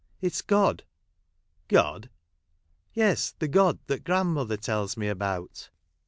It is God." " God ?"" Yes ; the God that grandmother tells me about."